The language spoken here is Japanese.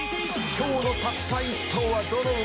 「今日のたった一頭はどの馬か」